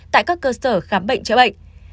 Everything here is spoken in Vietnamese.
tại các cơ sở khám bệnh chữa bệnh